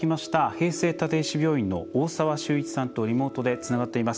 平成立石病院の大澤秀一さんとリモートでつながっています。